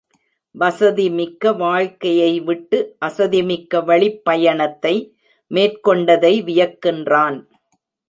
வசதி மிக்க வாழ்க்கையைவிட்டு அசதிமிக்க வழிப் பயணத்தை மேற்கொண்டதை வியக்கின்றான்.